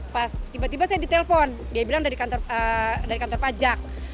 pas tiba tiba saya ditelepon dia bilang dari kantor pajak